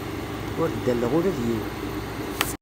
Ur ddaleɣ ula d yiwen.